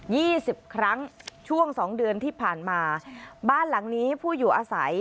สิบครั้งช่วงสองเดือนที่ผ่านมาบ้านหลังนี้ผู้อยู่อาศัย